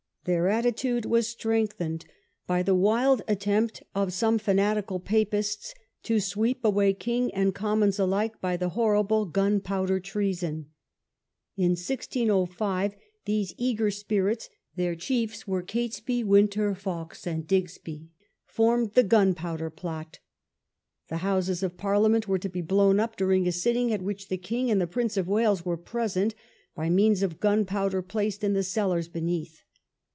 Their attitude was strengthened by the wild attempt of some fanatical Papists to sweep away king and Commons alike by the horrible "Gunpowder Treason". In 1605, these eager spirits — their chiefs were Catesby, Winter, Fawkes, and Digby — formed the "Gunpowder Plot". The Houses of Parliament were to be blown up during a sitting, at which the king and the Prince of Wales were to be present, by means of gunpowder placed in the cellars beneath.